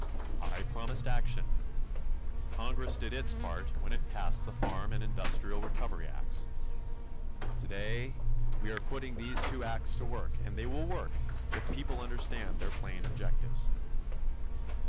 I promised action. Congress did its part when it passed the Farm and the Industrial Recovery Acts. Today we are putting these two acts to work and they will work if people understand their plain objectives.